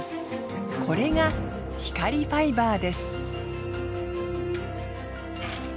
これが光ファイバーです。